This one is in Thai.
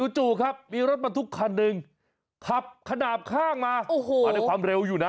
จู่ครับมีรถมันทุกคันหนึ่งขับขนาดข้างมามาในความเร็วอยู่นะ